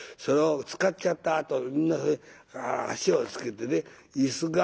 それを使っちゃったあとみんなそれ脚をつけてね椅子